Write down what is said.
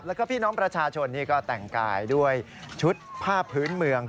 แล้วก็พี่น้องประชาชนนี่ก็แต่งกายด้วยชุดผ้าพื้นเมือง